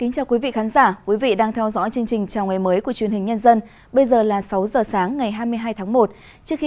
chào mừng quý vị đến với bộ phim hãy nhớ like share và đăng ký kênh của chúng mình nhé